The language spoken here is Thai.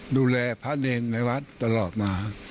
ดูแลพระเนรในวัดตลอดมา